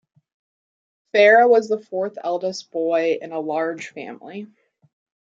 Farah was the fourth eldest boy in a large family.